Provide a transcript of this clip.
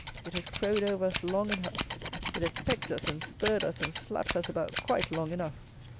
It has crowed over us long enough: it has pecked us and spurred us and slapped us about quite long enough.